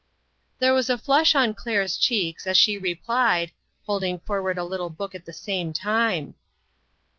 There was a flush on Claire's cheeks as she replied, holding forward a little book at the same time.